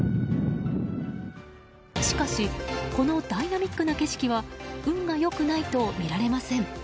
しかしこのダイナミックな景色は運が良くないと見られません。